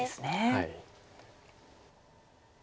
はい。